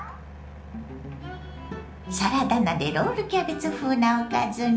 サラダ菜でロールキャベツ風なおかずに。